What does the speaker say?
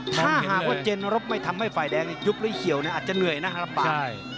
ถ้าหากว่าเจนรบไม่ทำให้ไฟแดงยุบเลยเหี่ยวอาจจะเหนื่อยนะครับป่าว